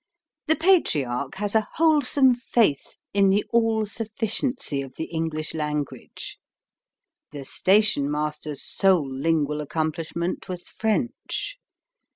The Patriarch has a wholesome faith in the all sufficiency of the English language. The station master's sole lingual accomplishment was French.